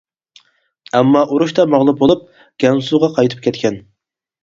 ئەمما ئۇرۇشتا مەغلۇپ بولۇپ، گەنسۇغا قايتىپ كەتكەن.